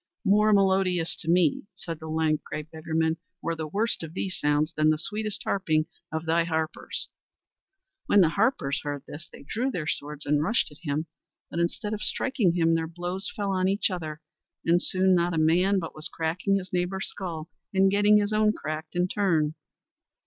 "More melodious to me," said the lank, grey beggarman, "were the worst of these sounds than the sweetest harping of thy harpers." When the harpers heard this, they drew their swords and rushed at him, but instead of striking him, their blows fell on each other, and soon not a man but was cracking his neighbour's skull and getting his own cracked in turn.